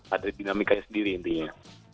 ada dinamikanya sendiri intinya